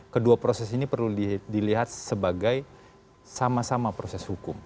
kedua proses ini perlu dilihat sebagai sama sama proses hukum